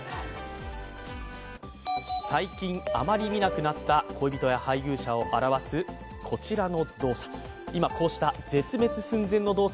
最近、あまり見なくなった恋人や配偶者を表す、こちらの動作。